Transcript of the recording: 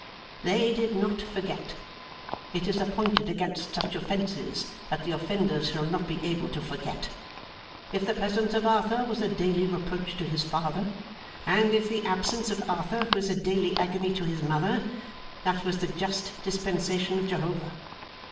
'They did not forget. It is appointed against such offences that the offenders shall not be able to forget. If the presence of Arthur was a daily reproach to his father, and if the absence of Arthur was a daily agony to his mother, that was the just dispensation of Jehovah.